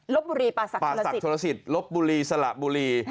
ลบบุรีป่าสักทนะสิทธิ์สละบุรี